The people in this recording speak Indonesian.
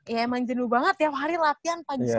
ya emang jenuh banget tiap hari latihan pagi sore